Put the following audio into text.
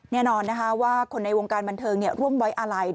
แน่นอนนะคะว่าคนในวงการบันเทิงร่วมไว้อาลัย